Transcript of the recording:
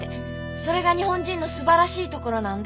「それが日本人のすばらしいところなんだ」